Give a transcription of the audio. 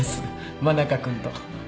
真中君と。